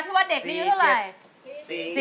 นี่นี่นี่